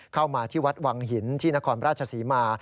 เข้ามาที่วัดวังหินที่นครราชศรีมา